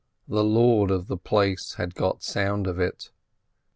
The lord of the place had got sound of it.